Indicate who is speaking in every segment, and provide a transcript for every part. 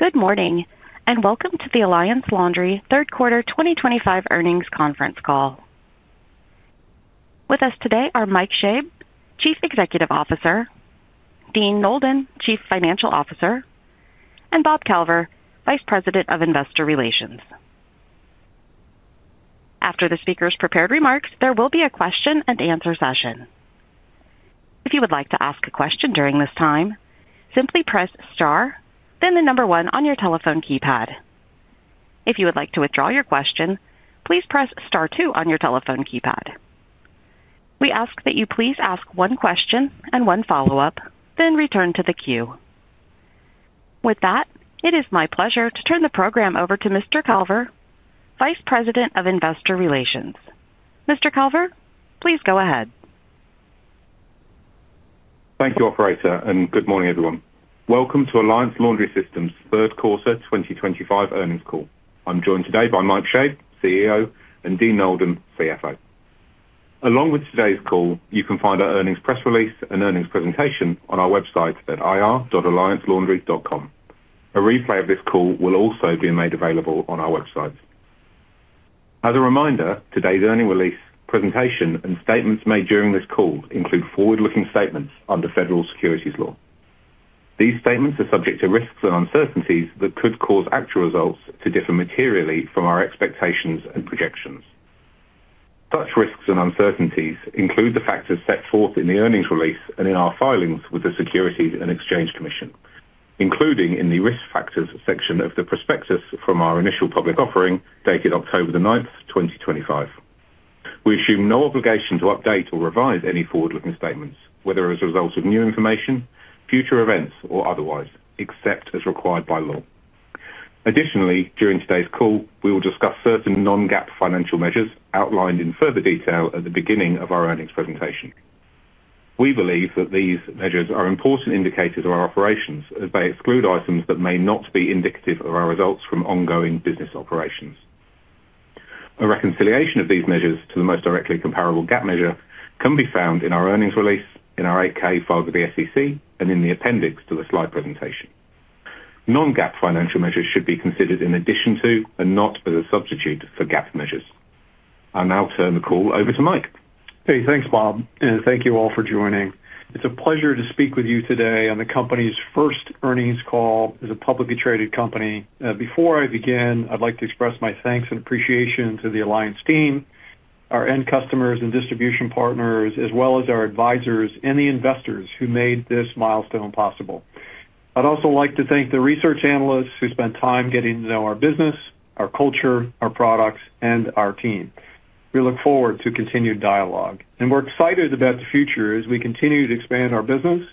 Speaker 1: Good morning, and Welcome to the Alliance Laundry third quarter 2025 earnings conference call. With us today are Mike Schoeb, Chief Executive Officer; Dean Nolden, Chief Financial Officer; and Bob Calver, Vice President of Investor Relations. After the speakers' prepared remarks, there will be a question-and-answer session. If you would like to ask a question during this time, simply press star, then the number one on your telephone keypad. If you would like to withdraw your question, please press star two on your telephone keypad. We ask that you please ask one question and one follow-up, then return to the queue. With that, it is my pleasure to turn the program over to Mr. Calver, Vice President of Investor Relations. Mr. Calver, please go ahead.
Speaker 2: Thank you, Operator, and good morning, everyone. Welcome to Alliance Laundry Systems' third quarter 2025 earnings call. I'm joined today by Mike Schoeb, CEO, and Dean Nolden, CFO. Along with today's call, you can find our earnings press release and earnings presentation on our website at ir.alliancelaundry.com. A replay of this call will also be made available on our website. As a reminder, today's earnings release, presentation, and statements made during this call include forward-looking statements under federal securities law. These statements are subject to risks and uncertainties that could cause actual results to differ materially from our expectations and projections. Such risks and uncertainties include the factors set forth in the earnings release and in our filings with the Securities and Exchange Commission, including in the risk factors section of the prospectus from our initial public offering dated October 9, 2025. We assume no obligation to update or revise any forward-looking statements, whether as a result of new information, future events, or otherwise, except as required by law. Additionally, during today's call, we will discuss certain non-GAAP financial measures outlined in further detail at the beginning of our earnings presentation. We believe that these measures are important indicators of our operations, as they exclude items that may not be indicative of our results from ongoing business operations. A reconciliation of these measures to the most directly comparable GAAP measure can be found in our earnings release, in our 8-K filed with the SEC, and in the appendix to the slide presentation. Non-GAAP financial measures should be considered in addition to and not as a substitute for GAAP measures. I'll now turn the call over to Mike.
Speaker 3: Hey, thanks, Bob, and thank you all for joining. It's a pleasure to speak with you today on the company's first earnings call as a publicly traded company. Before I begin, I'd like to express my thanks and appreciation to the Alliance team, our end customers and distribution partners, as well as our advisors and the investors who made this milestone possible. I'd also like to thank the research analysts who spent time getting to know our business, our culture, our products, and our team. We look forward to continued dialogue, and we're excited about the future as we continue to expand our business,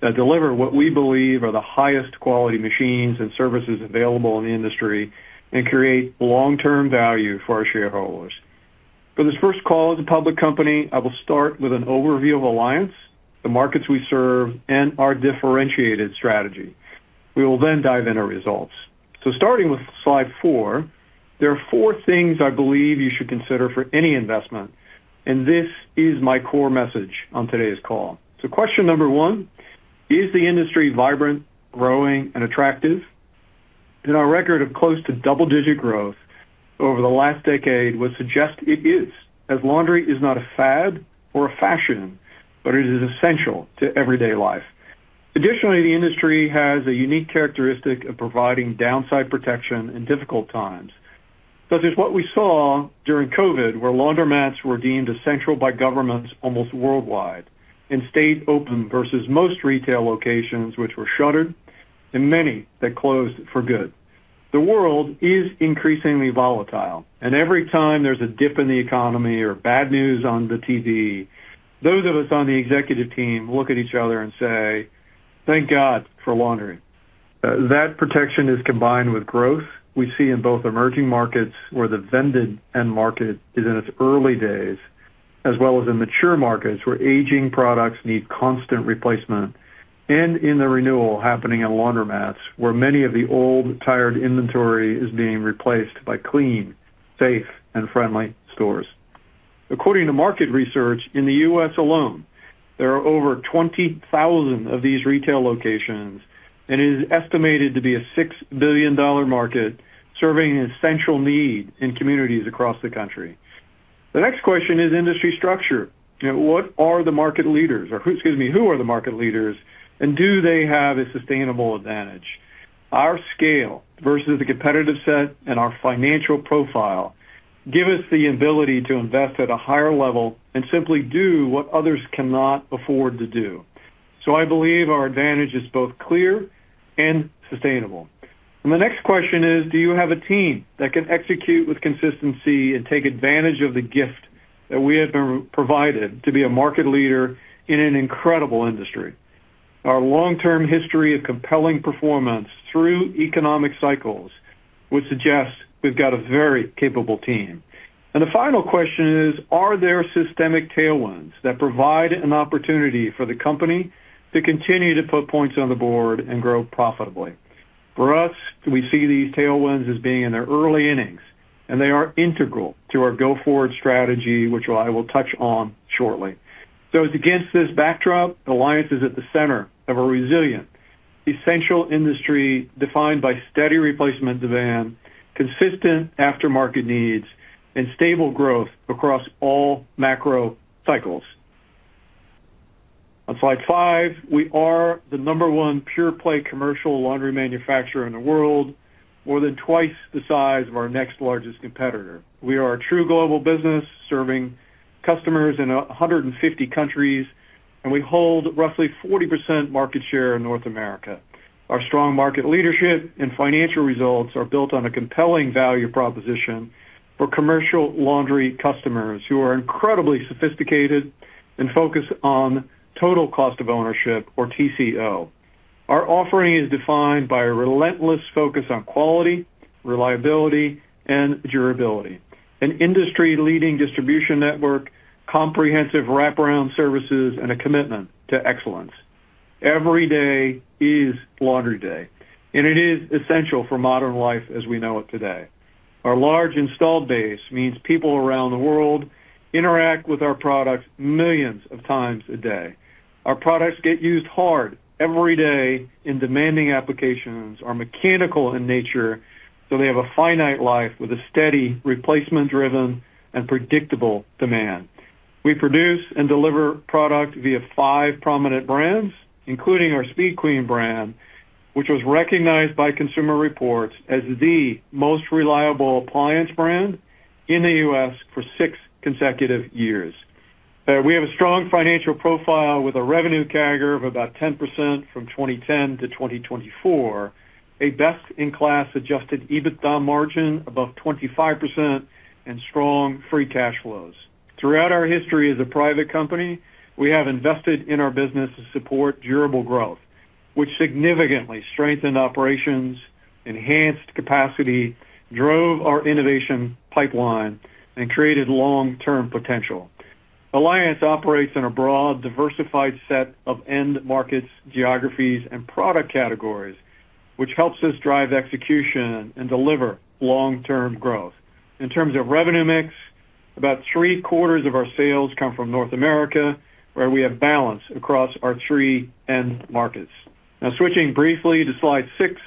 Speaker 3: deliver what we believe are the highest quality machines and services available in the industry, and create long-term value for our shareholders. For this first call as a public company, I will start with an overview of Alliance, the markets we serve, and our differentiated strategy. We will then dive into results. Starting with slide four, there are four things I believe you should consider for any investment, and this is my core message on today's call. Question number one: Is the industry vibrant, growing, and attractive? In our record of close to double-digit growth over the last decade, we suggest it is, as laundry is not a fad or a fashion, but it is essential to everyday life. Additionally, the industry has a unique characteristic of providing downside protection in difficult times, such as what we saw during COVID, where laundromats were deemed essential by governments almost worldwide, and stayed open versus most retail locations which were shuttered, and many that closed for good. The world is increasingly volatile, and every time there's a dip in the economy or bad news on the TV, those of us on the executive team look at each other and say, "Thank God for laundry." That protection is combined with growth we see in both emerging markets where the vended-end market is in its early days, as well as in mature markets where aging products need constant replacement, and in the renewal happening in laundromats where many of the old, tired inventory is being replaced by clean, safe, and friendly stores. According to market research, in the U.S. alone, there are over 20,000 of these retail locations, and it is estimated to be a $6 billion market serving an essential need in communities across the country. The next question is industry structure. What are the market leaders? Excuse me, who are the market leaders, and do they have a sustainable advantage? Our scale versus the competitive set and our financial profile give us the ability to invest at a higher level and simply do what others cannot afford to do. I believe our advantage is both clear and sustainable. The next question is, do you have a team that can execute with consistency and take advantage of the gift that we have been provided to be a market leader in an incredible industry? Our long-term history of compelling performance through economic cycles would suggest we've got a very capable team. The final question is, are there systemic tailwinds that provide an opportunity for the company to continue to put points on the board and grow profitably? For us, we see these tailwinds as being in their early innings, and they are integral to our go-forward strategy, which I will touch on shortly. Against this backdrop, Alliance is at the center of a resilient, essential industry defined by steady replacement demand, consistent aftermarket needs, and stable growth across all macro cycles. On slide five, we are the number one pure-play Commercial Laundry manufacturer in the world, more than twice the size of our next largest competitor. We are a true global business serving customers in 150 countries, and we hold roughly 40% market share in North America. Our strong market leadership and financial results are built on a compelling value proposition for Commercial Laundry customers who are incredibly sophisticated and focused on total cost of ownership, or TCO. Our offering is defined by a relentless focus on quality, reliability, and durability: an industry-leading distribution network, comprehensive wraparound services, and a commitment to excellence. Every day is laundry day, and it is essential for modern life as we know it today. Our large installed base means people around the world interact with our products millions of times a day. Our products get used hard every day in demanding applications. They are mechanical in nature, so they have a finite life with a steady, replacement-driven, and predictable demand. We produce and deliver product via five prominent brands, including our Speed Queen brand, which was recognized by Consumer Reports as the most reliable appliance brand in the U.S. for six consecutive years. We have a strong financial profile with a revenue CAGR of about 10% from 2010 to 2024, a best-in-class adjusted EBITDA margin above 25%, and strong free cash flows. Throughout our history as a private company, we have invested in our business to support durable growth, which significantly strengthened operations, enhanced capacity, drove our innovation pipeline, and created long-term potential. Alliance operates in a broad, diversified set of end markets, geographies, and product categories, which helps us drive execution and deliver long-term growth. In terms of revenue mix, about three-quarters of our sales come from North America, where we have balance across our three end markets. Now, switching briefly to slide six,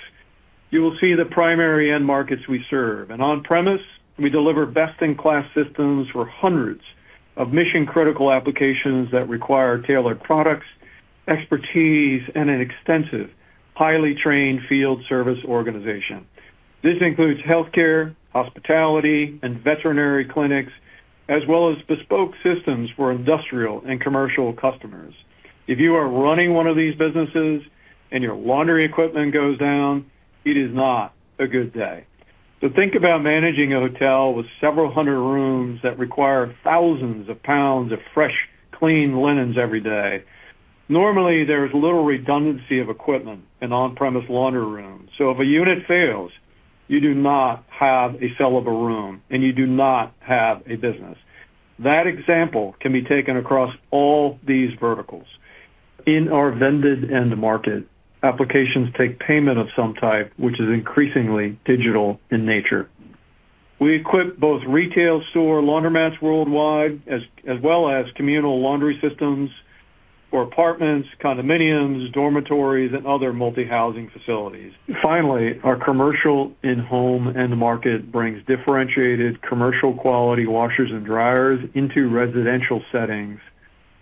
Speaker 3: you will see the primary end markets we serve. On-premise, we deliver best-in-class systems for hundreds of mission-critical applications that require tailored products, expertise, and an extensive, highly trained field service organization. This includes healthcare, hospitality, and veterinary clinics, as well as bespoke systems for industrial and commercial customers. If you are running one of these businesses and your laundry equipment goes down, it is not a good day. Think about managing a hotel with several hundred rooms that require thousands of pounds of fresh, clean linens every day. Normally, there is little redundancy of equipment in on-premise laundry rooms. If a unit fails, you do not have a sellable room, and you do not have a business. That example can be taken across all these verticals. In our vended-end market, applications take payment of some type, which is increasingly digital in nature. We equip both retail store laundromats worldwide, as well as communal laundry systems for apartments, condominiums, dormitories, and other multi-housing facilities. Finally, our commercial in-home end market brings differentiated commercial-quality washers and dryers into residential settings,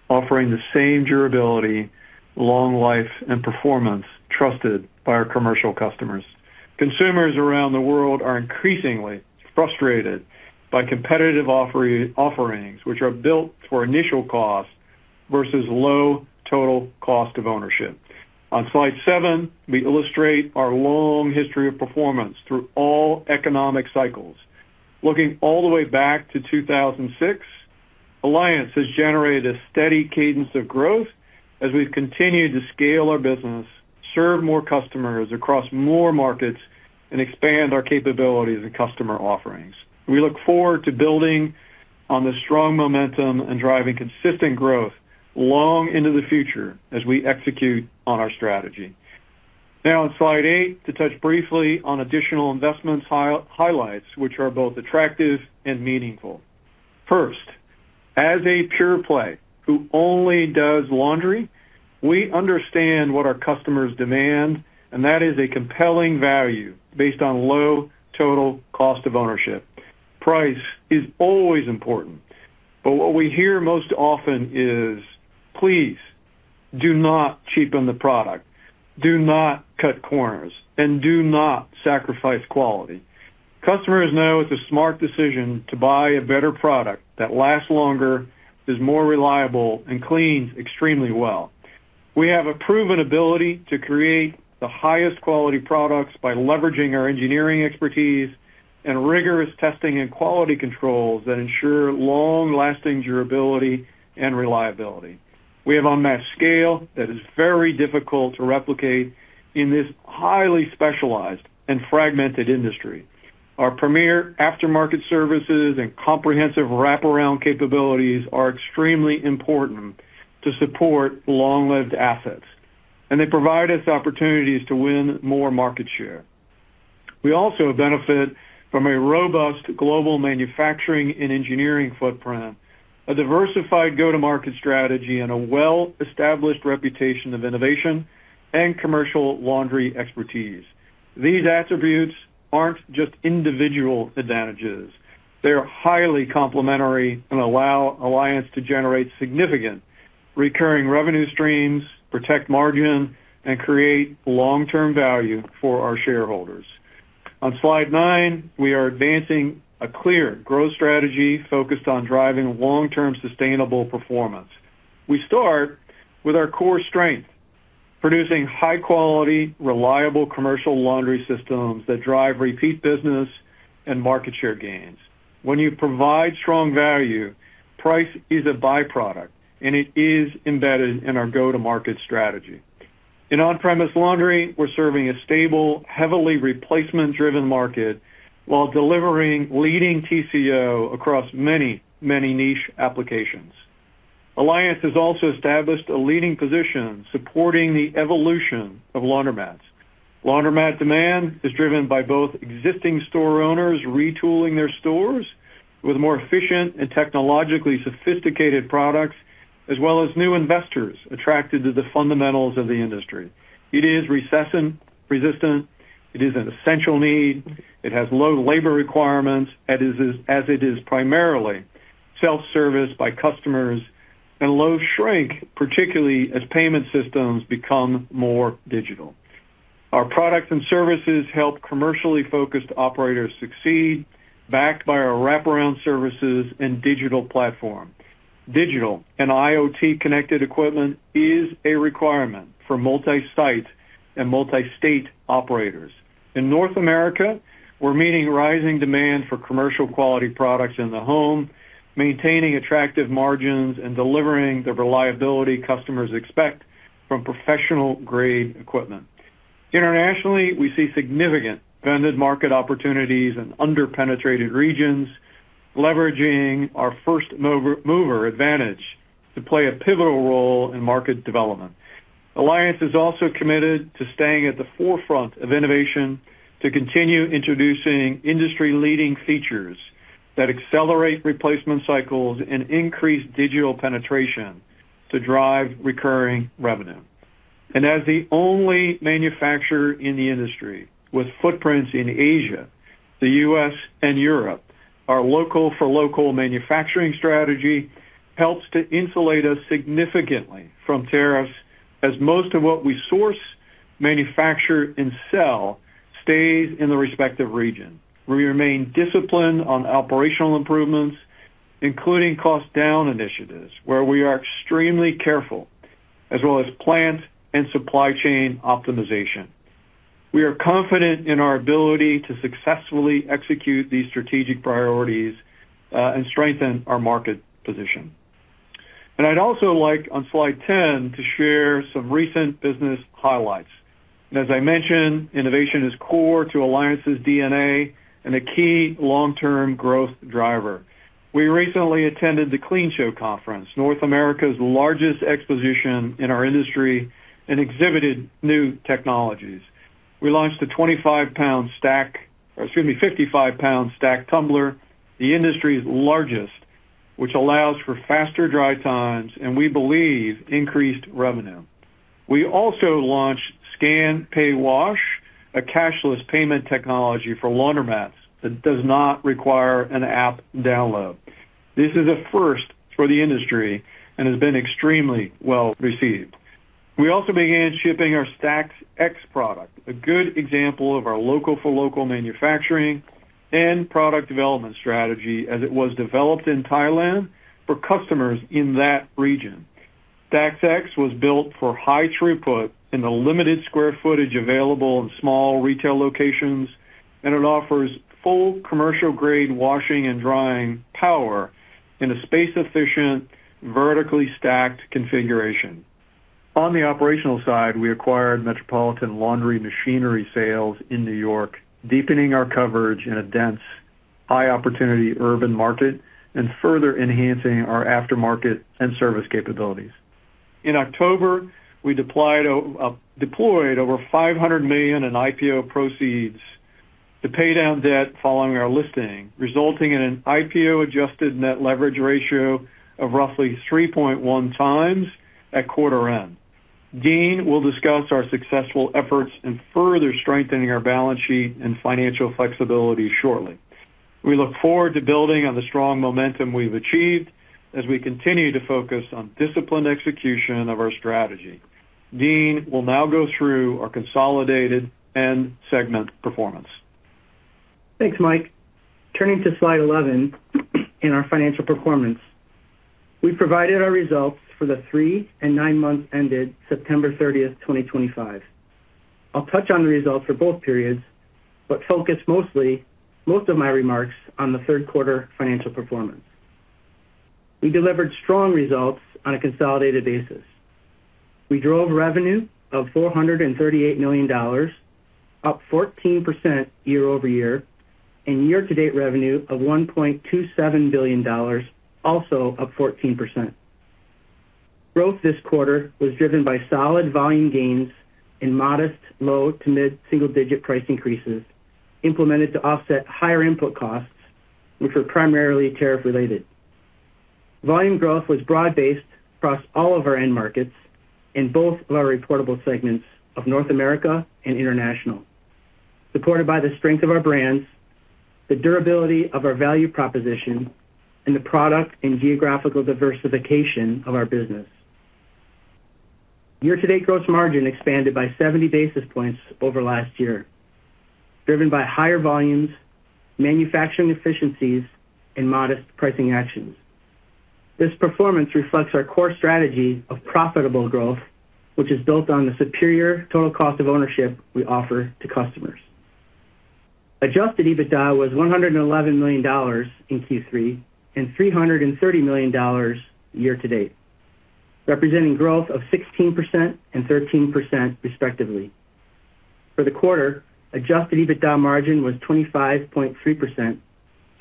Speaker 3: offering the same durability, long life, and performance trusted by our commercial customers. Consumers around the world are increasingly frustrated by competitive offerings, which are built for initial cost versus low total cost of ownership. On slide seven, we illustrate our long history of performance through all economic cycles. Looking all the way back to 2006, Alliance has generated a steady cadence of growth as we've continued to scale our business, serve more customers across more markets, and expand our capabilities and customer offerings. We look forward to building on the strong momentum and driving consistent growth long into the future as we execute on our strategy. Now, on slide eight, to touch briefly on additional investment highlights, which are both attractive and meaningful. First, as a pure-play who only does laundry, we understand what our customers demand, and that is a compelling value based on low total cost of ownership. Price is always important, but what we hear most often is, "Please do not cheapen the product. Do not cut corners, and do not sacrifice quality." Customers know it's a smart decision to buy a better product that lasts longer, is more reliable, and cleans extremely well. We have a proven ability to create the highest quality products by leveraging our engineering expertise and rigorous testing and quality controls that ensure long-lasting durability and reliability. We have unmatched scale that is very difficult to replicate in this highly specialized and fragmented industry. Our premier aftermarket services and comprehensive wraparound capabilities are extremely important to support long-lived assets, and they provide us opportunities to win more market share. We also benefit from a robust global manufacturing and engineering footprint, a diversified go-to-market strategy, and a well-established reputation of innovation and Commercial Laundry expertise. These attributes aren't just individual advantages. They are highly complementary and allow Alliance to generate significant recurring revenue streams, protect margin, and create long-term value for our shareholders. On slide nine, we are advancing a clear growth strategy focused on driving long-term sustainable performance. We start with our core strength, producing high-quality, reliable Commercial Laundry systems that drive repeat business and market share gains. When you provide strong value, price is a byproduct, and it is embedded in our go-to-market strategy. In on-premise laundry, we're serving a stable, heavily replacement-driven market while delivering leading TCO across many, many niche applications. Alliance has also established a leading position supporting the evolution of laundromats. Laundromat demand is driven by both existing store owners retooling their stores with more efficient and technologically sophisticated products, as well as new investors attracted to the fundamentals of the industry. It is recession-resistant. It is an essential need. It has low labor requirements, as it is primarily self-serviced by customers, and low shrink, particularly as payment systems become more digital. Our products and services help commercially focused operators succeed, backed by our wraparound services and digital platform. Digital and IoT-connected equipment is a requirement for multi-site and multi-state operators. In North America, we're meeting rising demand for commercial-quality products in the home, maintaining attractive margins and delivering the reliability customers expect from professional-grade equipment. Internationally, we see significant vended-market opportunities in underpenetrated regions, leveraging our first-mover advantage to play a pivotal role in market development. Alliance is also committed to staying at the forefront of innovation to continue introducing industry-leading features that accelerate replacement cycles and increase digital penetration to drive recurring revenue. As the only manufacturer in the industry with footprints in Asia, the U.S. In Europe, our local-for-local manufacturing strategy helps to insulate us significantly from tariffs as most of what we source, manufacture, and sell stays in the respective region. We remain disciplined on operational improvements, including cost-down initiatives, where we are extremely careful, as well as plant and supply chain optimization. We are confident in our ability to successfully execute these strategic priorities and strengthen our market position. I'd also like, on slide 10, to share some recent business highlights. As I mentioned, innovation is core to Alliance's DNA and a key long-term growth driver. We recently attended the Clean Show Conference, North America's largest exposition in our industry, and exhibited new technologies. We launched a 25-pound stack, or excuse me, 55-pound stack tumbler, the industry's largest, which allows for faster dry times and, we believe, increased revenue. We also launched Scan-Pay-Wash, a cashless payment technology for laundromats that does not require an app download. This is a first for the industry and has been extremely well received. We also began shipping our Stax-X product, a good example of our local-for-local manufacturing and product development strategy as it was developed in Thailand for customers in that region. Stax-X was built for high throughput in the limited square footage available in small retail locations, and it offers full commercial-grade washing and drying power in a space-efficient, vertically stacked configuration. On the operational side, we acquired Metropolitan Laundry Machinery Sales in New York, deepening our coverage in a dense, high-opportunity urban market and further enhancing our aftermarket and service capabilities. In October, we deployed over $500 million in IPO proceeds to pay down debt following our listing, resulting in an IPO-adjusted net leverage ratio of roughly 3.1x at quarter end. Dean will discuss our successful efforts in further strengthening our balance sheet and financial flexibility shortly. We look forward to building on the strong momentum we've achieved as we continue to focus on disciplined execution of our strategy. Dean will now go through our consolidated end segment performance.
Speaker 4: Thanks, Mike. Turning to slide 11 in our financial performance, we provided our results for the three and nine months ended September 30th, 2025. I'll touch on the results for both periods, but focus most of my remarks on the third-quarter financial performance. We delivered strong results on a consolidated basis. We drove revenue of $438 million, up 14% year-over-year, and year-to-date revenue of $1.27 billion, also up 14%. Growth this quarter was driven by solid volume gains and modest low-to-mid single-digit price increases implemented to offset higher input costs, which were primarily tariff-related. Volume growth was broad-based across all of our end markets in both of our reportable segments of North America and international, supported by the strength of our brands, the durability of our value proposition, and the product and geographical diversification of our business. Year-to-date gross margin expanded by 70 basis points over last year, driven by higher volumes, manufacturing efficiencies, and modest pricing actions. This performance reflects our core strategy of profitable growth, which is built on the superior total cost of ownership we offer to customers. Adjusted EBITDA was $111 million in Q3 and $330 million year-to-date, representing growth of 16% and 13%, respectively. For the quarter, adjusted EBITDA margin was 25.3%,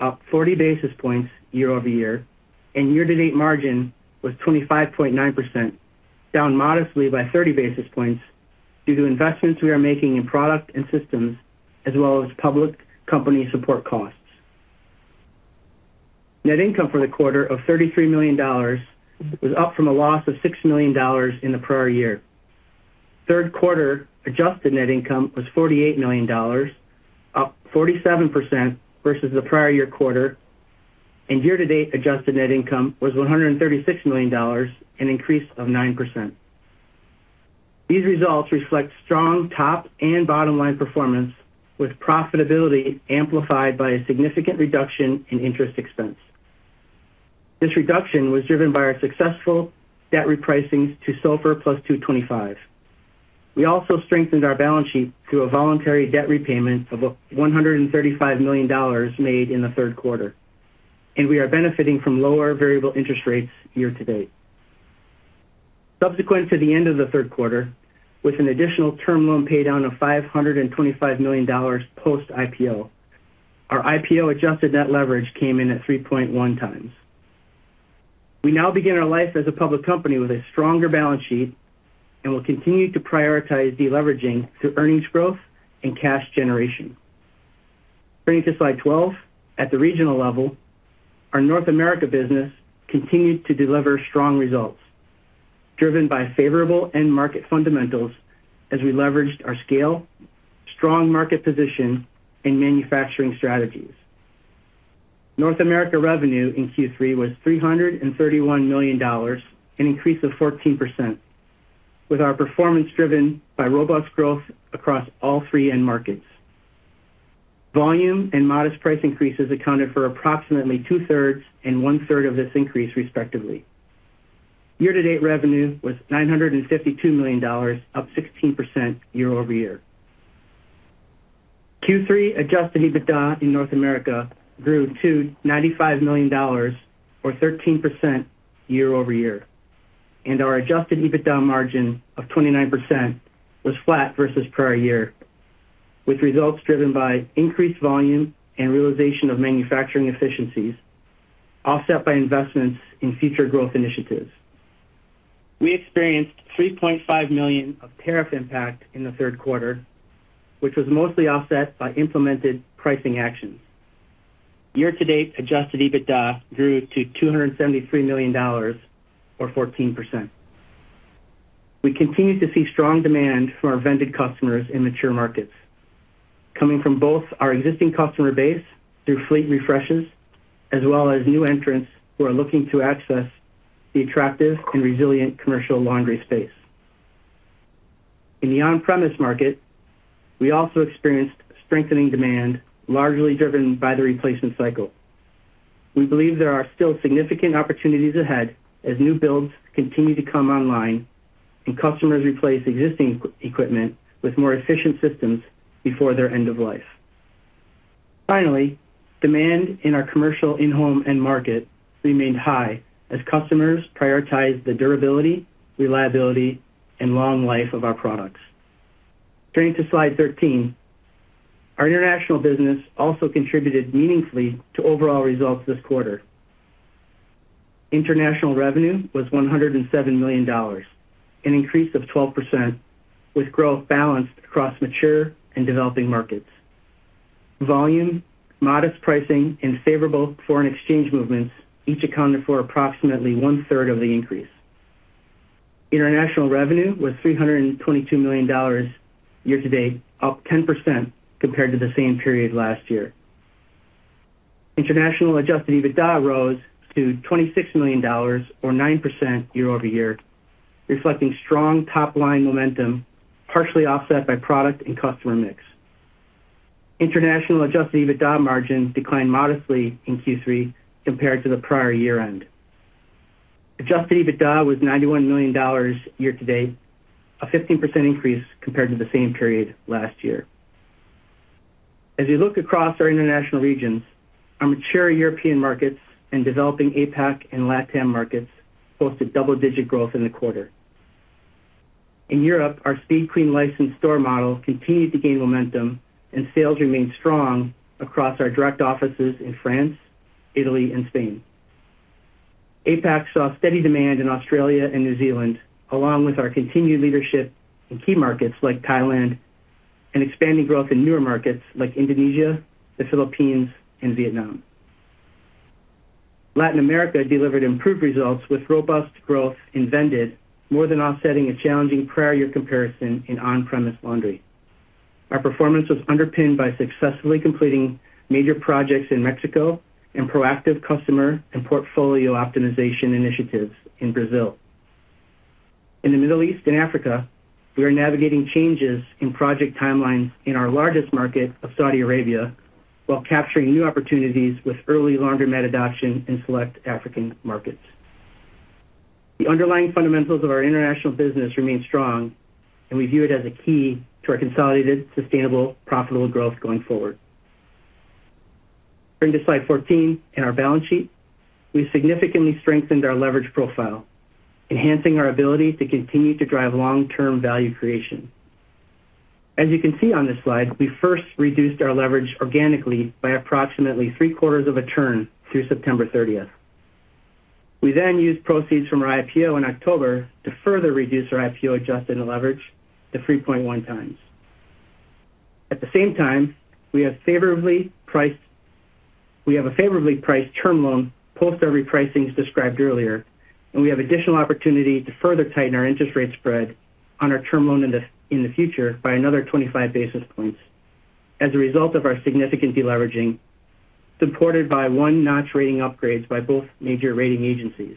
Speaker 4: up 40 basis points year-over-year, and year-to-date margin was 25.9%, down modestly by 30 basis points due to investments we are making in product and systems, as well as public company support costs. Net income for the quarter of $33 million was up from a loss of $6 million in the prior year. Third-quarter adjusted net income was $48 million, up 47% versus the prior year quarter, and year-to-date adjusted net income was $136 million, an increase of 9%. These results reflect strong top and bottom-line performance, with profitability amplified by a significant reduction in interest expense. This reduction was driven by our successful debt repricings to SOFR plus 225. We also strengthened our balance sheet through a voluntary debt repayment of $135 million made in the third quarter, and we are benefiting from lower variable interest rates year-to-date. Subsequent to the end of the third quarter, with an additional term loan paydown of $525 million post-IPO, our IPO-adjusted net leverage came in at 3.1x. We now begin our life as a public company with a stronger balance sheet and will continue to prioritize deleveraging through earnings growth and cash generation. Turning to slide 12, at the regional level, our North America business continued to deliver strong results, driven by favorable end market fundamentals as we leveraged our scale, strong market position, and manufacturing strategies. North America revenue in Q3 was $331 million, an increase of 14%, with our performance driven by robust growth across all three end markets. Volume and modest price increases accounted for approximately two-thirds and one-third of this increase, respectively. Year-to-date revenue was $952 million, up 16% year-over-year. Q3 adjusted EBITDA in North America grew to $95 million, or 13% year-over-year, and our adjusted EBITDA margin of 29% was flat versus prior year, with results driven by increased volume and realization of manufacturing efficiencies, offset by investments in future growth initiatives. We experienced $3.5 million of tariff impact in the third quarter, which was mostly offset by implemented pricing actions. Year-to-date adjusted EBITDA grew to $273 million, or 14%. We continue to see strong demand from our vended customers in mature markets, coming from both our existing customer base through fleet refreshes, as well as new entrants who are looking to access the attractive and resilient Commercial Laundry space. In the on-premise market, we also experienced strengthening demand, largely driven by the replacement cycle. We believe there are still significant opportunities ahead as new builds continue to come online and customers replace existing equipment with more efficient systems before their end of life. Finally, demand in our commercial in-home end market remained high as customers prioritized the durability, reliability, and long life of our products. Turning to slide 13, our international business also contributed meaningfully to overall results this quarter. International revenue was $107 million, an increase of 12%, with growth balanced across mature and developing markets. Volume, modest pricing, and favorable foreign exchange movements each accounted for approximately one-third of the increase. International revenue was $322 million year-to-date, up 10% compared to the same period last year. International adjusted EBITDA rose to $26 million, or 9% year-over-year, reflecting strong top-line momentum, partially offset by product and customer mix. International adjusted EBITDA margin declined modestly in Q3 compared to the prior year-end. Adjusted EBITDA was $91 million year-to-date, a 15% increase compared to the same period last year. As we look across our international regions, our mature European markets and developing APAC and LATAM markets posted double-digit growth in the quarter. In Europe, our Speed Queen licensed store model continued to gain momentum, and sales remained strong across our direct offices in France, Italy, and Spain. APAC saw steady demand in Australia and New Zealand, along with our continued leadership in key markets like Thailand and expanding growth in newer markets like Indonesia, The Philippines, and Vietnam. Latin America delivered improved results with robust growth in vended, more than offsetting a challenging prior-year comparison in on-premise laundry. Our performance was underpinned by successfully completing major projects in Mexico and proactive customer and portfolio optimization initiatives in Brazil. In the Middle East and Africa, we are navigating changes in project timelines in our largest market of Saudi Arabia while capturing new opportunities with early laundromat adoption in select African markets. The underlying fundamentals of our international business remain strong, and we view it as a key to our consolidated, sustainable, profitable growth going forward. Turning to slide 14 in our balance sheet, we significantly strengthened our leverage profile, enhancing our ability to continue to drive long-term value creation. As you can see on this slide, we first reduced our leverage organically by approximately three-quarters of a turn through September 30th. We then used proceeds from our IPO in October to further reduce our IPO-adjusted leverage to 3.1x. At the same time, we have favorably priced term loans post our repricings described earlier, and we have additional opportunity to further tighten our interest rate spread on our term loan in the future by another 25 basis points as a result of our significant deleveraging, supported by one-notch rating upgrades by both major rating agencies.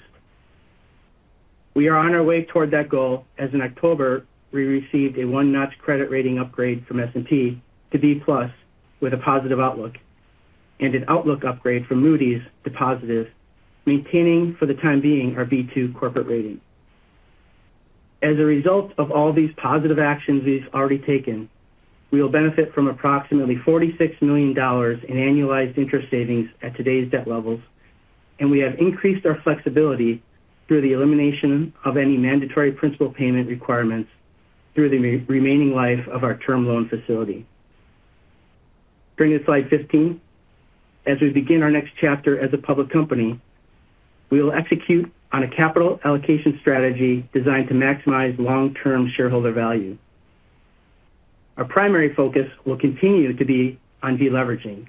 Speaker 4: We are on our way toward that goal as in October, we received a one-notch credit rating upgrade from S&P to B+ with a positive outlook, and an outlook upgrade from Moody's to positive, maintaining for the time being our B2 corporate rating. As a result of all these positive actions we've already taken, we will benefit from approximately $46 million in annualized interest savings at today's debt levels, and we have increased our flexibility through the elimination of any mandatory principal payment requirements through the remaining life of our term loan facility. Turning to slide 15, as we begin our next chapter as a public company, we will execute on a capital allocation strategy designed to maximize long-term shareholder value. Our primary focus will continue to be on deleveraging.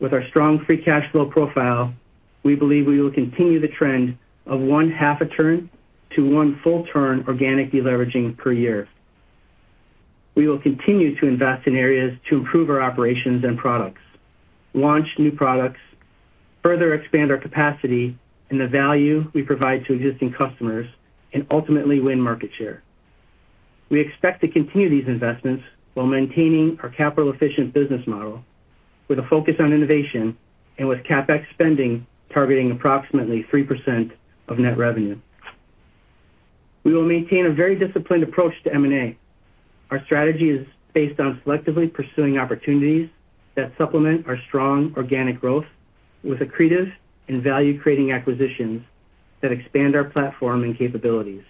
Speaker 4: With our strong free cash flow profile, we believe we will continue the trend of one half-a-turn to one full-turn organic deleveraging per year. We will continue to invest in areas to improve our operations and products, launch new products, further expand our capacity and the value we provide to existing customers, and ultimately win market share. We expect to continue these investments while maintaining our capital-efficient business model with a focus on innovation and with CapEx spending targeting approximately 3% of net revenue. We will maintain a very disciplined approach to M&A. Our strategy is based on selectively pursuing opportunities that supplement our strong organic growth with accretive and value-creating acquisitions that expand our platform and capabilities.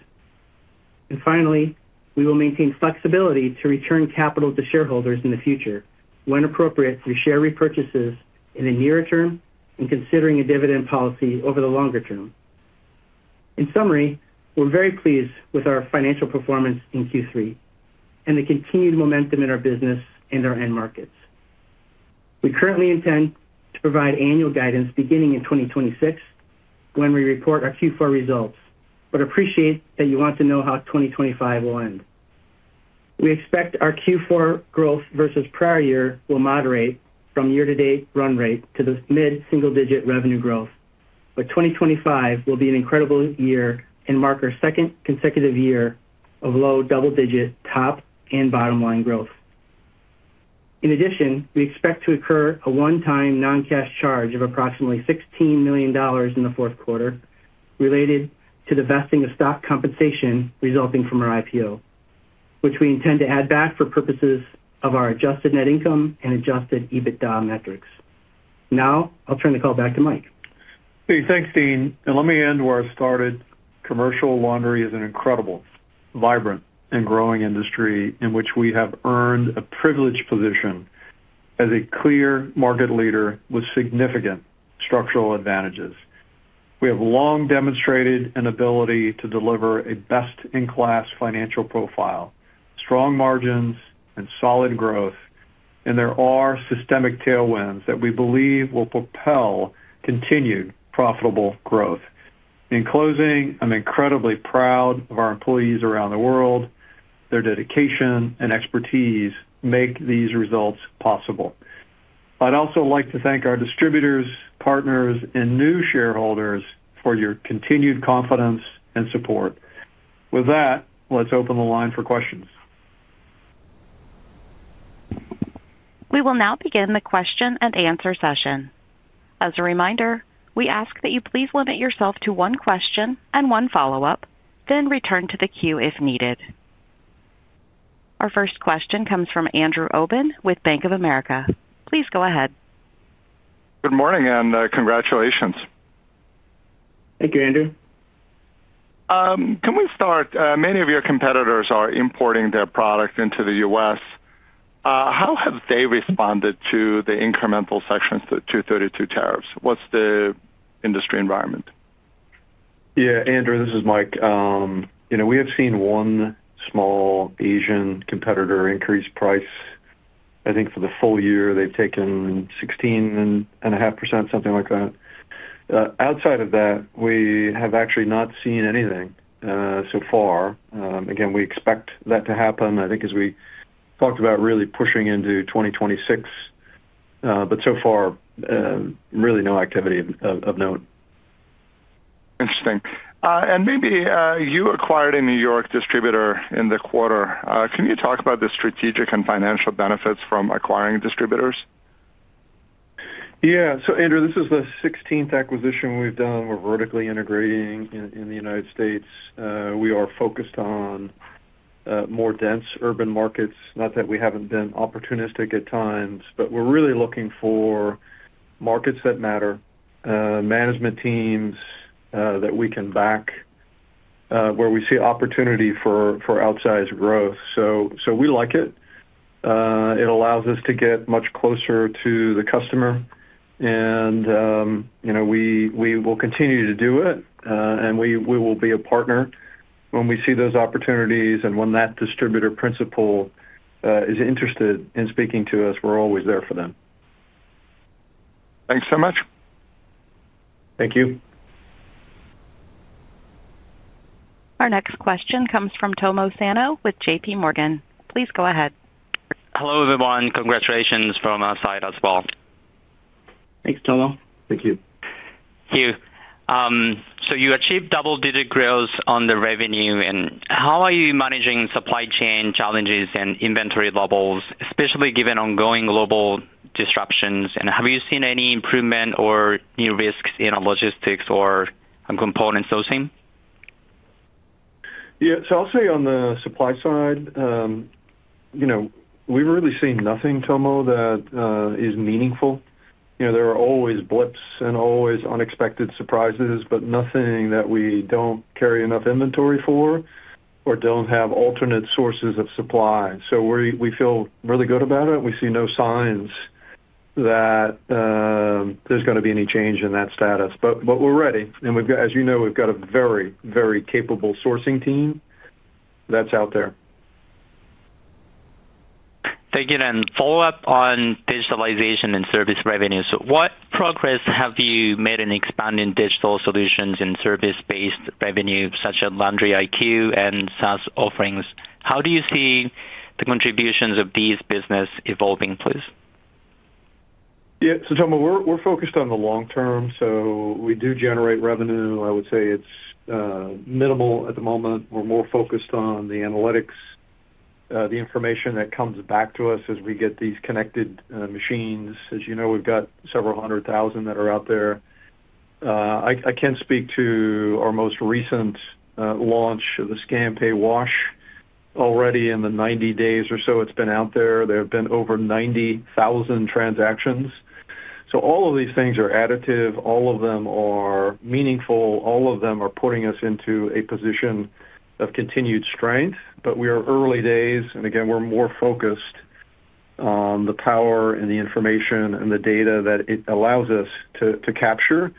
Speaker 4: Finally, we will maintain flexibility to return capital to shareholders in the future when appropriate through share repurchases in the near term and considering a dividend policy over the longer term. In summary, we're very pleased with our financial performance in Q3 and the continued momentum in our business and our end markets. We currently intend to provide annual guidance beginning in 2026 when we report our Q4 results, but appreciate that you want to know how 2025 will end. We expect our Q4 growth versus prior year will moderate from year-to-date run rate to the mid-single-digit revenue growth, but 2025 will be an incredible year and mark our second consecutive year of low double-digit top and bottom-line growth. In addition, we expect to incur a one-time non-cash charge of approximately $16 million in the fourth quarter related to the vesting of stock compensation resulting from our IPO, which we intend to add back for purposes of our adjusted net income and adjusted EBITDA metrics. Now, I'll turn the call back to Mike.
Speaker 3: Hey, thanks, Dean. Let me end where I started. Commercial Laundry is an incredible, vibrant, and growing industry in which we have earned a privileged position as a clear market leader with significant structural advantages. We have long demonstrated an ability to deliver a best-in-class financial profile, strong margins, and solid growth, and there are systemic tailwinds that we believe will propel continued profitable growth. In closing, I'm incredibly proud of our employees around the world. Their dedication and expertise make these results possible. I'd also like to thank our distributors, partners, and new shareholders for your continued confidence and support. With that, let's open the line for questions.
Speaker 1: We will now begin the question and answer session. As a reminder, we ask that you please limit yourself to one question and one follow-up, then return to the queue if needed. Our first question comes from Andrew Obin with Bank of America. Please go ahead.
Speaker 5: Good morning and congratulations.
Speaker 3: Thank you, Andrew.
Speaker 5: Can we start? Many of your competitors are importing their product into the U.S. How have they responded to the incremental sections to 232 tariffs? What's the industry environment?
Speaker 3: Yeah, Andrew, this is Mike. We have seen one small Asian competitor increase price. I think for the full year, they've taken 16.5%, something like that. Outside of that, we have actually not seen anything so far. Again, we expect that to happen, I think, as we talked about really pushing into 2026, but so far, really no activity of note.
Speaker 5: Interesting. Maybe you acquired a New York distributor in the quarter. Can you talk about the strategic and financial benefits from acquiring distributors?
Speaker 3: Yeah. Andrew, this is the 16th acquisition we've done. We're vertically integrating in the United States. We are focused on more dense urban markets. Not that we haven't been opportunistic at times, but we're really looking for markets that matter, management teams that we can back, where we see opportunity for outsized growth. We like it. It allows us to get much closer to the customer, and we will continue to do it, and we will be a partner. When we see those opportunities and when that distributor principal is interested in speaking to us, we're always there for them.
Speaker 5: Thanks so much.
Speaker 3: Thank you.
Speaker 1: Our next question comes from Tomo Sano with JPMorgan. Please go ahead.
Speaker 6: Hello, everyone. Congratulations from outside as well.
Speaker 3: Thanks, Tomo.
Speaker 4: Thank you.
Speaker 6: Thank you. You achieved double-digit growth on the revenue, and how are you managing supply chain challenges and inventory levels, especially given ongoing global disruptions? Have you seen any improvement or new risks in logistics or components sourcing?
Speaker 3: Yeah. I'll say on the supply side, we've really seen nothing, Tomo, that is meaningful. There are always blips and always unexpected surprises, but nothing that we do not carry enough inventory for or do not have alternate sources of supply. We feel really good about it. We see no signs that there is going to be any change in that status. We are ready. As you know, we've got a very, very capable sourcing team that is out there.
Speaker 6: Thank you. Follow-up on digitalization and service revenues. What progress have you made in expanding digital solutions and service-based revenue, such as Laundry IQ and SaaS offerings? How do you see the contributions of these businesses evolving, please?
Speaker 3: Yeah. Tomo, we're focused on the long term. We do generate revenue. I would say it's minimal at the moment. We're more focused on the analytics, the information that comes back to us as we get these connected machines. As you know, we've got several hundred thousand that are out there. I can speak to our most recent launch of the Scan-Pay-Wash. Already in the 90 days or so it's been out there, there have been over 90,000 transactions. All of these things are additive. All of them are meaningful. All of them are putting us into a position of continued strength, but we are early days. Again, we're more focused on the power and the information and the data that it allows us to capture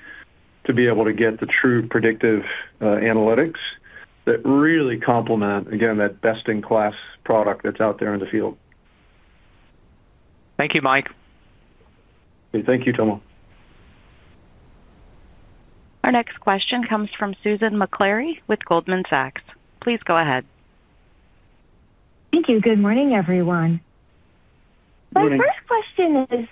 Speaker 3: to be able to get the true predictive analytics that really complement, again, that best-in-class product that's out there in the field.
Speaker 6: Thank you, Mike.
Speaker 3: Thank you, Tomo.
Speaker 1: Our next question comes from Susan Maklari with Goldman Sachs. Please go ahead.
Speaker 7: Thank you. Good morning, everyone. My first question is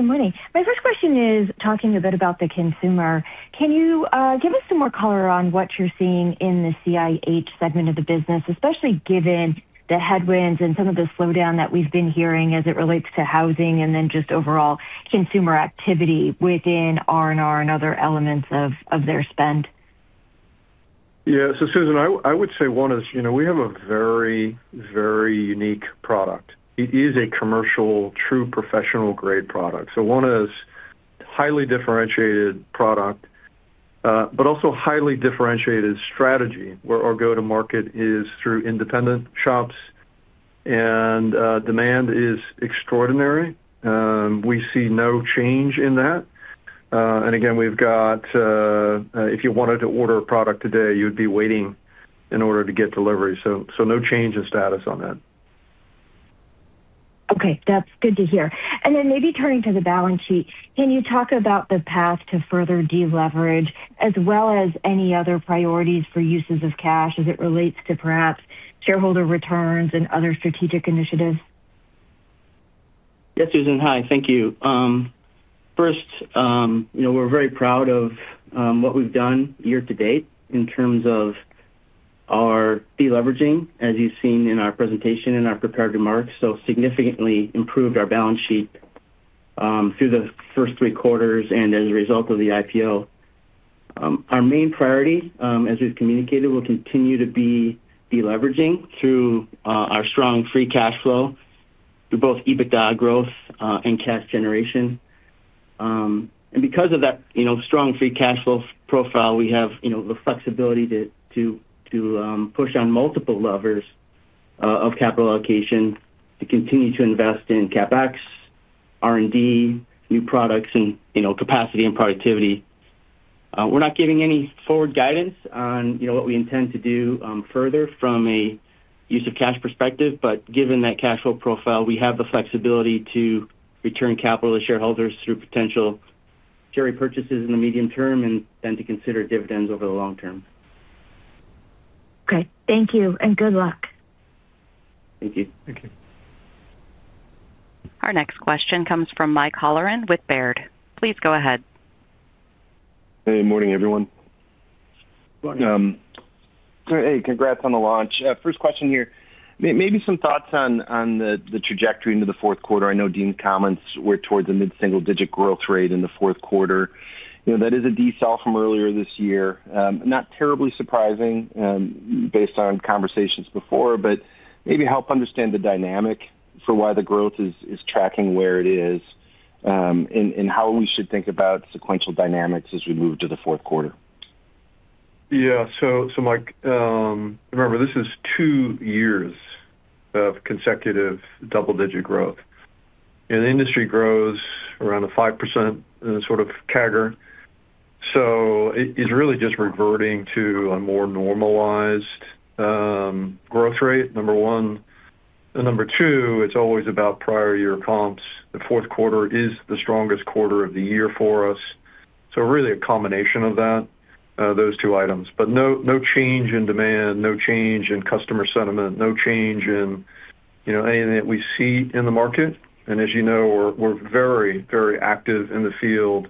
Speaker 7: good morning. My first question is talking a bit about the consumer. Can you give us some more color on what you're seeing in the CIH segment of the business, especially given the headwinds and some of the slowdown that we've been hearing as it relates to housing and then just overall consumer activity within R&R and other elements of their spend?
Speaker 3: Yeah. Susan, I would say one is we have a very, very unique product. It is a commercial, true professional-grade product. One is a highly differentiated product, but also a highly differentiated strategy where our go-to-market is through independent shops, and demand is extraordinary. We see no change in that. If you wanted to order a product today, you would be waiting in order to get delivery. No change in status on that.
Speaker 7: That is good to hear. Maybe turning to the balance sheet, can you talk about the path to further deleverage as well as any other priorities for uses of cash as it relates to perhaps shareholder returns and other strategic initiatives?
Speaker 4: Yes, Susan. Hi. Thank you. First, we are very proud of what we have done year-to-date in terms of our deleveraging, as you have seen in our presentation and our prepared remarks. Significantly improved our balance sheet through the first three quarters and as a result of the IPO. Our main priority, as we've communicated, will continue to be deleveraging through our strong free cash flow through both EBITDA growth and cash generation. Because of that strong free cash flow profile, we have the flexibility to push on multiple levers of capital allocation to continue to invest in CapEx, R&D, new products, and capacity and productivity. We're not giving any forward guidance on what we intend to do further from a use-of-cash perspective, but given that cash flow profile, we have the flexibility to return capital to shareholders through potential share purchases in the medium term and then to consider dividends over the long term.
Speaker 7: Okay. Thank you. And good luck.
Speaker 4: Thank you.
Speaker 3: Thank you.
Speaker 1: Our next question comes from Mike Halloran with Baird. Please go ahead. Hey.
Speaker 8: Good morning, everyone. Morning. Hey. Congrats on the launch. First question here. Maybe some thoughts on the trajectory into the fourth quarter. I know Dean's comments were towards a mid-single-digit growth rate in the fourth quarter. That is a decel from earlier this year. Not terribly surprising based on conversations before, but maybe help understand the dynamic for why the growth is tracking where it is and how we should think about sequential dynamics as we move to the fourth quarter.
Speaker 3: Yeah. Mike, remember, this is two years of consecutive double-digit growth. And the industry grows around a 5% sort of CAGR. It is really just reverting to a more normalized growth rate, number one. Number two, it is always about prior-year comps. The fourth quarter is the strongest quarter of the year for us. Really a combination of those two items. No change in demand, no change in customer sentiment, no change in anything that we see in the market. As you know, we're very, very active in the field,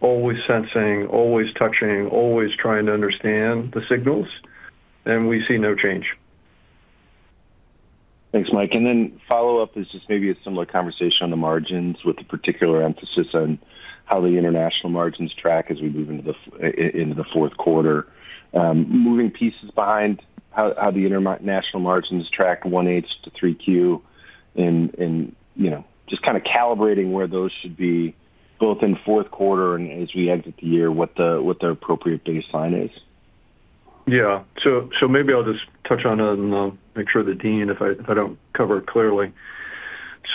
Speaker 3: always sensing, always touching, always trying to understand the signals. We see no change.
Speaker 8: Thanks, Mike. The follow-up is just maybe a similar conversation on the margins with a particular emphasis on how the international margins track as we move into the fourth quarter. Moving pieces behind how the international margins track 1H to 3Q and just kind of calibrating where those should be both in fourth quarter and as we exit the year, what the appropriate baseline is.
Speaker 3: Yeah. Maybe I'll just touch on it and make sure that Dean, if I do not cover it clearly.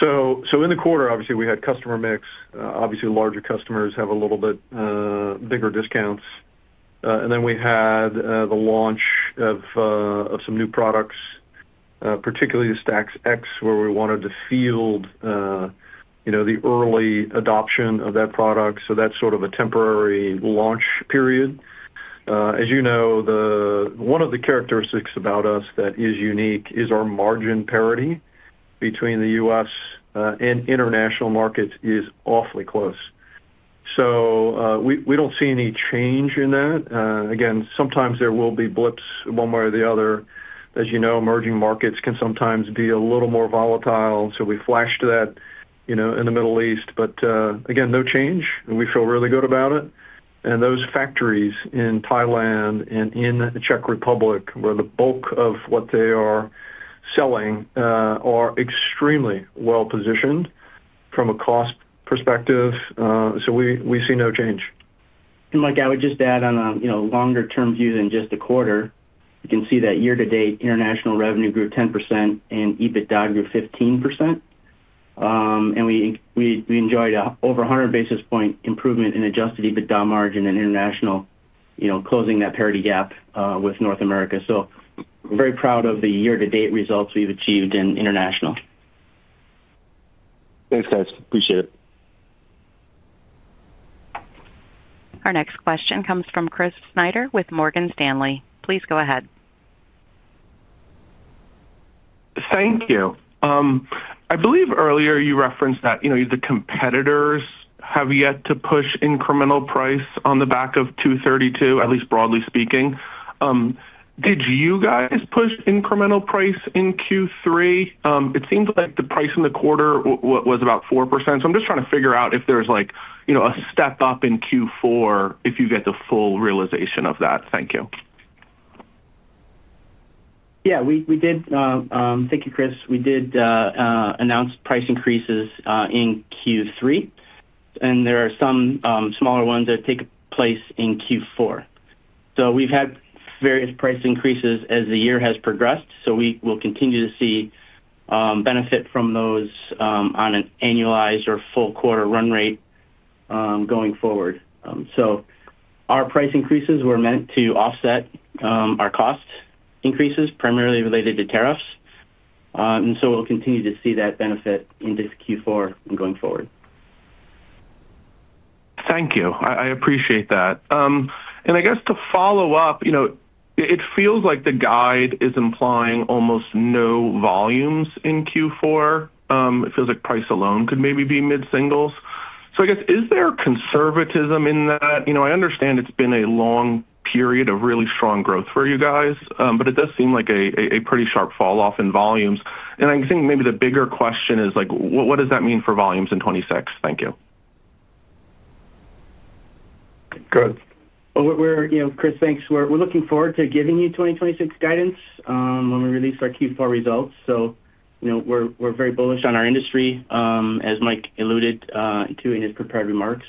Speaker 3: In the quarter, obviously, we had customer mix. Obviously, larger customers have a little bit bigger discounts. We had the launch of some new products, particularly the Stax-X, where we wanted to field the early adoption of that product. That is sort of a temporary launch period. As you know, one of the characteristics about us that is unique is our margin parity between the U.S. and international markets is awfully close. We do not see any change in that. Sometimes there will be blips one way or the other. As you know, emerging markets can sometimes be a little more volatile. We flashed to that in the Middle East. Again, no change. We feel really good about it. Those factories in Thailand and in the Czech Republic, where the bulk of what they are selling are extremely well-positioned from a cost perspective. We see no change.
Speaker 4: Mike, I would just add on a longer-term view than just the quarter. You can see that year-to-date international revenue grew 10% and EBITDA grew 15%. We enjoyed over 100 basis point improvement in adjusted EBITDA margin and international closing that parity gap with North America. Very proud of the year-to-date results we've achieved in international.
Speaker 8: Thanks, guys. Appreciate it.
Speaker 1: Our next question comes from Chris Snyder with Morgan Stanley. Please go ahead.
Speaker 9: Thank you. I believe earlier you referenced that the competitors have yet to push incremental price on the back of 232, at least broadly speaking. Did you guys push incremental price in Q3? It seems like the price in the quarter was about 4%. I'm just trying to figure out if there's a step up in Q4 if you get the full realization of that. Thank you.
Speaker 4: Yeah. Thank you, Chris. We did announce price increases in Q3, and there are some smaller ones that take place in Q4. We have had various price increases as the year has progressed. We will continue to see benefit from those on an annualized or full quarter run rate going forward. Our price increases were meant to offset our cost increases, primarily related to tariffs. We will continue to see that benefit into Q4 and going forward.
Speaker 9: Thank you. I appreciate that. I guess to follow up, it feels like the guide is implying almost no volumes in Q4. It feels like price alone could maybe be mid-singles. I guess, is there conservatism in that? I understand it has been a long period of really strong growth for you guys, but it does seem like a pretty sharp falloff in volumes. I think maybe the bigger question is, what does that mean for volumes in 2026? Thank you.
Speaker 4: Good. Chris, thanks. We're looking forward to giving you 2026 guidance when we release our Q4 results. We are very bullish on our industry, as Mike alluded to in his prepared remarks.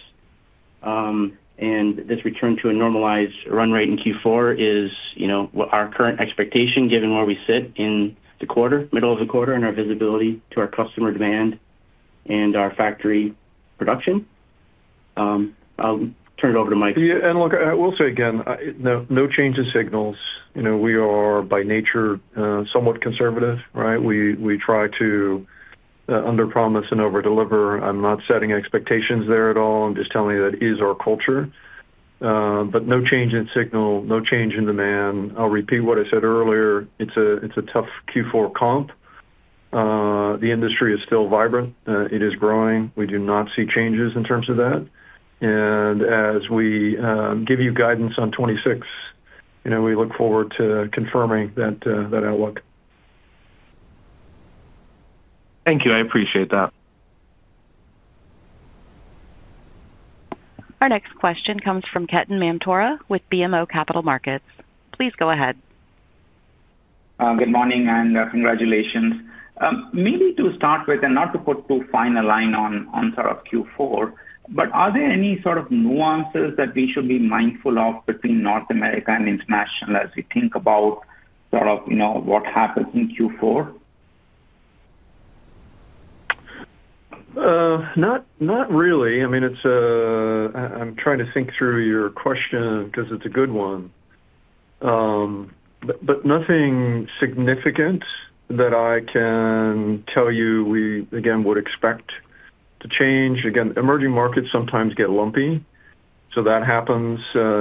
Speaker 4: This return to a normalized run rate in Q4 is our current expectation, given where we sit in the quarter, middle of the quarter, and our visibility to our customer demand and our factory production. I'll turn it over to Mike.
Speaker 3: I will say again, no change in signals. We are, by nature, somewhat conservative, right? We try to underpromise and overdeliver. I'm not setting expectations there at all. I'm just telling you that is our culture. No change in signal, no change in demand. I'll repeat what I said earlier. It's a tough Q4 comp. The industry is still vibrant. It is growing. We do not see changes in terms of that. As we give you guidance on 2026, we look forward to confirming that outlook.
Speaker 9: Thank you. I appreciate that.
Speaker 1: Our next question comes from Ketan Mamtora with BMO Capital Markets. Please go ahead.
Speaker 10: Good morning and congratulations. Maybe to start with, and not to put too fine a line on sort of Q4, but are there any sort of nuances that we should be mindful of between North America and international as we think about sort of what happens in Q4?
Speaker 3: Not really. I mean, I'm trying to think through your question because it's a good one. Nothing significant that I can tell you we, again, would expect to change. Again, emerging markets sometimes get lumpy. That happens.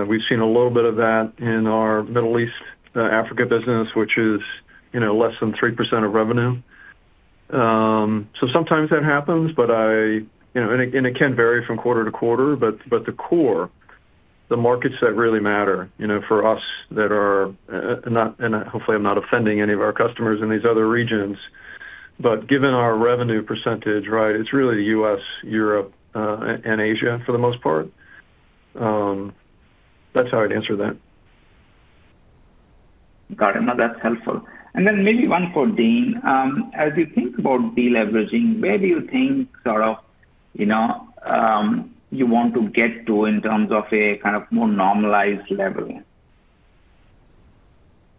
Speaker 3: We've seen a little bit of that in our Middle East, Africa business, which is less than 3% of revenue. Sometimes that happens, but it can vary from quarter to quarter. The core, the markets that really matter for us that are—and hopefully, I'm not offending any of our customers in these other regions—but given our revenue percentage, right, it's really the U.S., Europe, and Asia for the most part. That's how I'd answer that.
Speaker 10: Got it. No, that's helpful. Maybe one for Dean. As you think about deleveraging, where do you think sort of you want to get to in terms of a kind of more normalized level?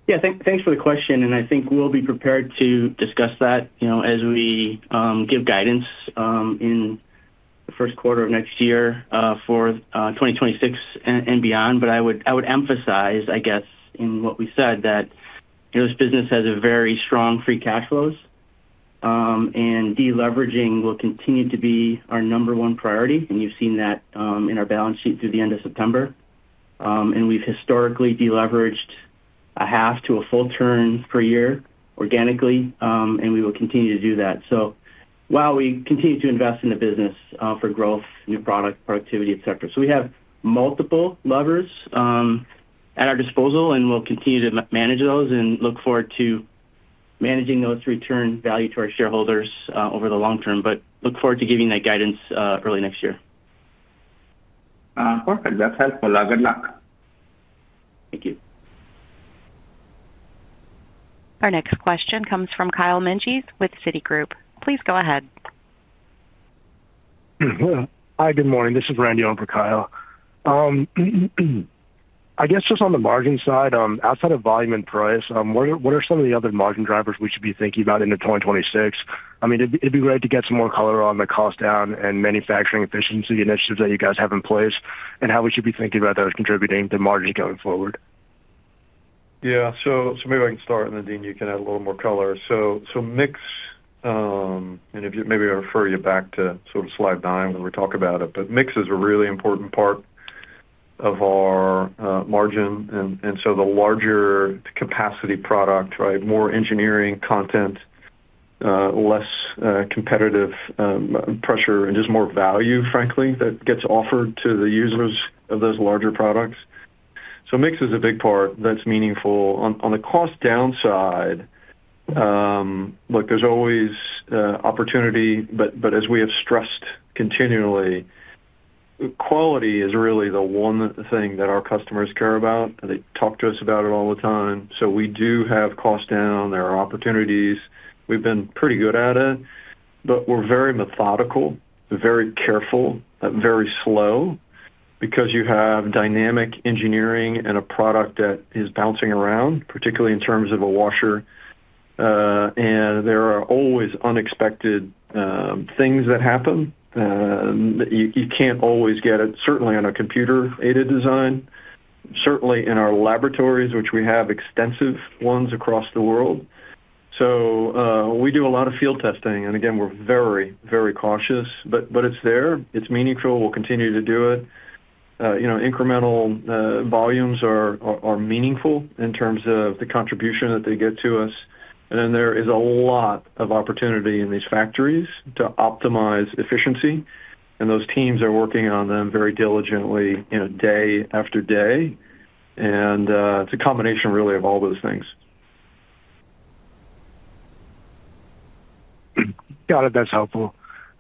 Speaker 4: Yeah. Thanks for the question. I think we'll be prepared to discuss that as we give guidance in the first quarter of next year for 2026 and beyond. I would emphasize, I guess, in what we said, that this business has very strong free cash flows. Deleveraging will continue to be our number one priority. You have seen that in our balance sheet through the end of September. We have historically deleveraged a half to a full turn per year organically. We will continue to do that. While we continue to invest in the business for growth, new product, productivity, etc., we have multiple levers at our disposal, and we will continue to manage those and look forward to managing those to return value to our shareholders over the long term. I look forward to giving that guidance early next year.
Speaker 8: Perfect. That is helpful. Good luck.
Speaker 4: Thank you.
Speaker 1: Our next question comes from Kyle Menges with Citigroup. Please go ahead. Hi. Good morning. This is Randy over Kyle. I guess just on the margin side, outside of volume and price, what are some of the other margin drivers we should be thinking about into 2026? I mean, it'd be great to get some more color on the cost down and manufacturing efficiency initiatives that you guys have in place and how we should be thinking about those contributing to margins going forward.
Speaker 3: Yeah. Maybe I can start, and then Dean, you can add a little more color. Mix, and maybe I'll refer you back to sort of slide nine when we talk about it. Mix is a really important part of our margin. The larger capacity product, right, more engineering content, less competitive pressure, and just more value, frankly, that gets offered to the users of those larger products. Mix is a big part that's meaningful. On the cost downside, look, there is always opportunity. As we have stressed continually, quality is really the one thing that our customers care about. They talk to us about it all the time. We do have cost down. There are opportunities. We have been pretty good at it. We are very methodical, very careful, very slow because you have dynamic engineering and a product that is bouncing around, particularly in terms of a washer. There are always unexpected things that happen. You cannot always get it, certainly on a computer-aided design, certainly in our laboratories, which we have extensive ones across the world. We do a lot of field testing. Again, we are very, very cautious. It is there. It is meaningful. We will continue to do it. Incremental volumes are meaningful in terms of the contribution that they get to us. There is a lot of opportunity in these factories to optimize efficiency. Those teams are working on them very diligently day after day. It is a combination really of all those things. Got it. That is helpful.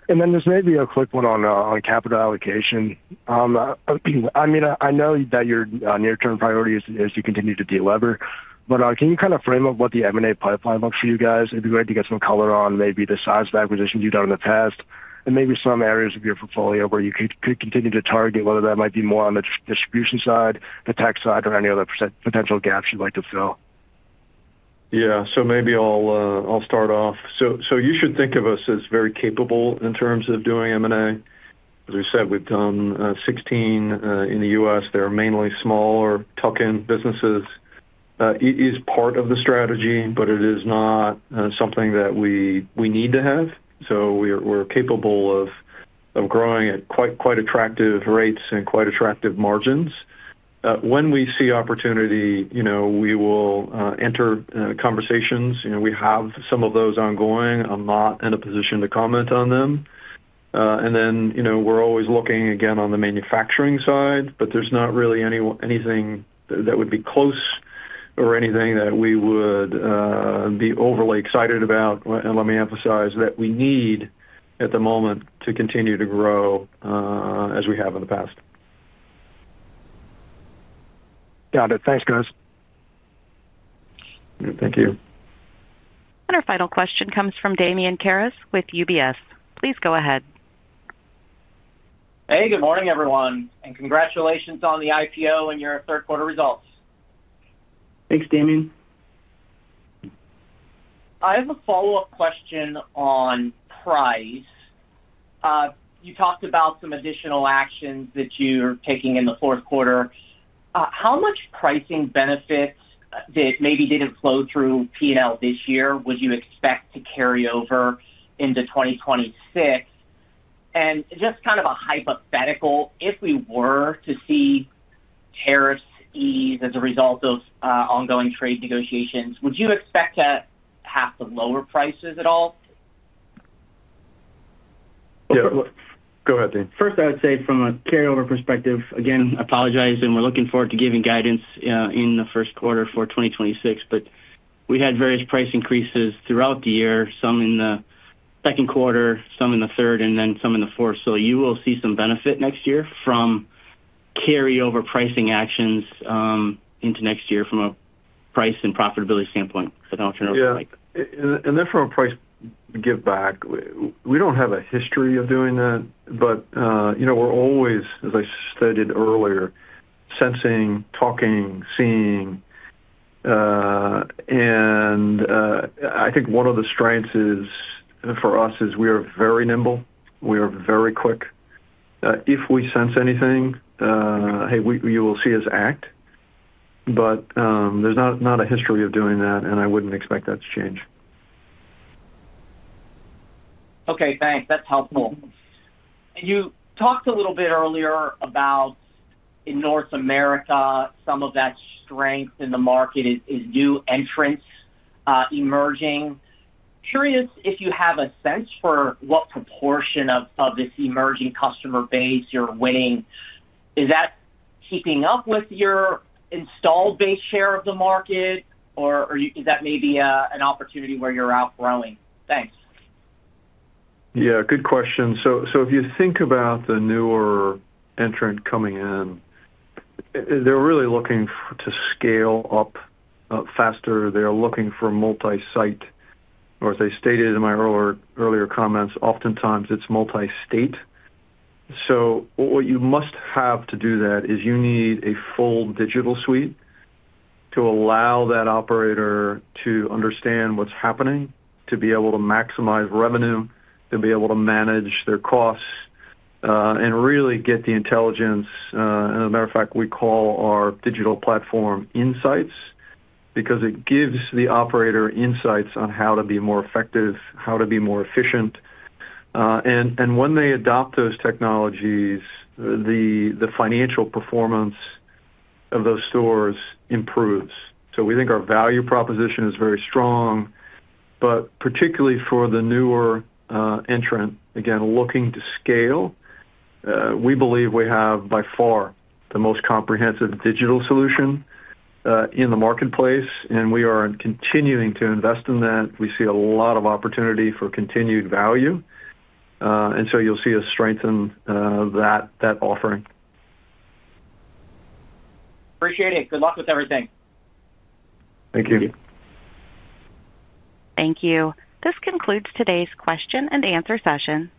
Speaker 3: This may be a quick one on capital allocation. I mean, I know that your near-term priority is to continue to deliver. Can you kind of frame up what the M&A pipeline looks for you guys? It would be great to get some color on maybe the size of acquisitions you have done in the past and maybe some areas of your portfolio where you could continue to target, whether that might be more on the distribution side, the tech side, or any other potential gaps you would like to fill. Yeah. Maybe I will start off. You should think of us as very capable in terms of doing M&A. As we said, we've done 16 in the U.S. They're mainly smaller tuck-in businesses. It is part of the strategy, but it is not something that we need to have. We are capable of growing at quite attractive rates and quite attractive margins. When we see opportunity, we will enter conversations. We have some of those ongoing. I'm not in a position to comment on them. We are always looking, again, on the manufacturing side, but there's not really anything that would be close or anything that we would be overly excited about. Let me emphasize that we need, at the moment, to continue to grow as we have in the past. Got it. Thanks, guys. Thank you.
Speaker 1: Our final question comes from Damian Karas with UBS. Please go ahead.
Speaker 11: Hey, good morning, everyone. Congratulations on the IPO and your third-quarter results.
Speaker 3: Thanks, Damian.
Speaker 11: I have a follow-up question on price. You talked about some additional actions that you're taking in the fourth quarter. How much pricing benefit that maybe did not flow through P&L this year would you expect to carry over into 2026? Just kind of a hypothetical, if we were to see tariffs ease as a result of ongoing trade negotiations, would you expect to have to lower prices at all?
Speaker 3: Yeah. Go ahead, Dean.
Speaker 4: First, I would say from a carryover perspective, again, I apologize, and we're looking forward to giving guidance in the first quarter for 2026. We had various price increases throughout the year, some in the second quarter, some in the third, and then some in the fourth. You will see some benefit next year from carryover pricing actions into next year from a price and profitability standpoint, if that helps you know what I'm like.
Speaker 3: Yeah. From a price give back, we do not have a history of doing that. We are always, as I stated earlier, sensing, talking, seeing. I think one of the strengths for us is we are very nimble. We are very quick. If we sense anything, hey, you will see us act. There is not a history of doing that, and I would not expect that to change.
Speaker 11: Okay. Thanks. That is helpful. You talked a little bit earlier about, in North America, some of that strength in the market is new entrants emerging. Curious if you have a sense for what proportion of this emerging customer base you are winning. Is that keeping up with your installed base share of the market, or is that maybe an opportunity where you're outgrowing? Thanks.
Speaker 3: Yeah. Good question. If you think about the newer entrant coming in, they're really looking to scale up faster. They're looking for multi-site, or as I stated in my earlier comments, oftentimes it's multi-state. What you must have to do that is you need a full digital suite to allow that operator to understand what's happening, to be able to maximize revenue, to be able to manage their costs, and really get the intelligence. As a matter of fact, we call our digital platform insights because it gives the operator insights on how to be more effective, how to be more efficient. When they adopt those technologies, the financial performance of those stores improves. We think our value proposition is very strong. Particularly for the newer entrant, again, looking to scale, we believe we have by far the most comprehensive digital solution in the marketplace. We are continuing to invest in that. We see a lot of opportunity for continued value. You will see us strengthen that offering.
Speaker 11: Appreciate it. Good luck with everything.
Speaker 3: Thank you.
Speaker 1: Thank you. This concludes today's question and answer session.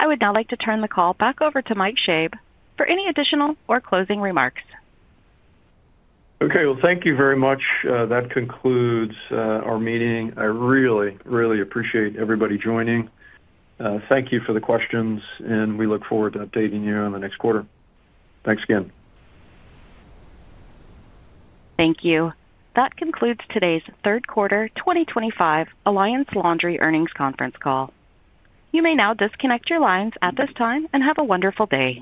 Speaker 1: I would now like to turn the call back over to Mike Schoeb for any additional or closing remarks.
Speaker 3: Thank you very much. That concludes our meeting. I really, really appreciate everybody joining. Thank you for the questions. We look forward to updating you in the next quarter. Thanks again. Thank you. That concludes today's third quarter 2025 Alliance Laundry Earnings Conference call. You may now disconnect your lines at this time and have a wonderful day.